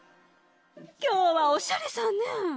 今日はおしゃれさんね。